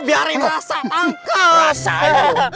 biarin rasa tangkas